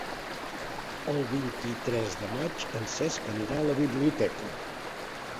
El vint-i-tres de maig en Cesc anirà a la biblioteca.